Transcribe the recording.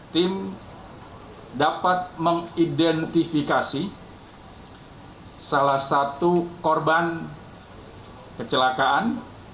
tim dapat mengidentifikasi salah satu korban kecelakaan